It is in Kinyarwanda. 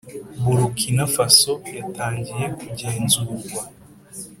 Burukina Faso yatangiye kugenzurwa .